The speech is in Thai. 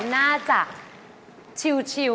น่าจะชิล